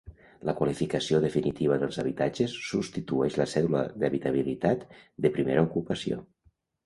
La qualificació definitiva dels habitatges substitueix la cèdula d'habitabilitat de primera ocupació.